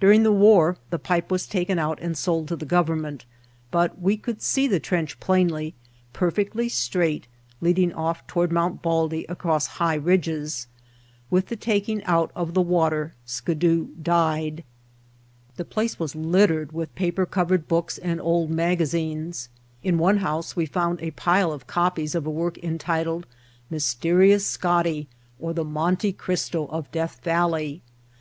During the war the pipe was taken out and sold to the government, but we could see the trench plainly, perfectly straight, leading ofif toward Mt. Baldy across high ridges. With the taking out of the water Skidoo died. The place was littered with paper covered books and old magazines. In one house we found a pile of copies of a work entitled "Mys terious Scotty, or the Monte Cristo of Death Valley."